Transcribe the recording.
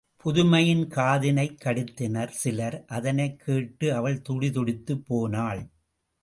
பதுமையின் காதினைக் கடித்தனர் சிலர் அதனைக் கேட்டு அவள் துடிதுடித்துப் போனாள்.